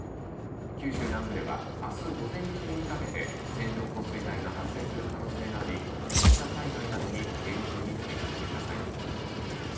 九州南部ではあす午前中にかけて線状降水帯が発生する可能性があり土砂災害などに厳重に警戒してください。